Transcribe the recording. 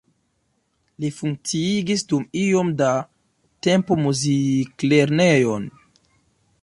Li funkciigis dum iom da tempo muziklernejon.